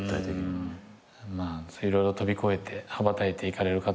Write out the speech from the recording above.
色々飛び越えて羽ばたいていかれる方なんだな。